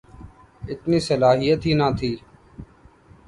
اتنی صلاحیت ہی نہ تھی۔